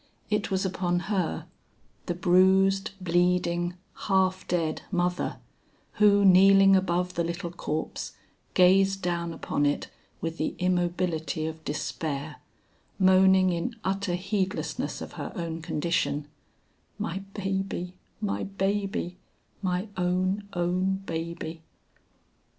It was upon her, the bruised, bleeding, half dead mother, who kneeling above the little corpse, gazed down upon it with the immobility of despair, moaning in utter heedlessness of her own condition, "My baby, my baby, my own, own baby!"